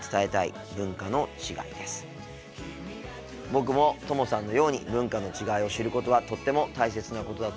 僕もともさんのように文化の違いを知ることはとっても大切なことだと思います。